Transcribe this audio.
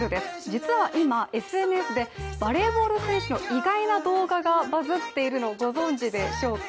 実は今、ＳＮＳでバレーボール選手の意外な動画がバズっているのをご存じでしょうか。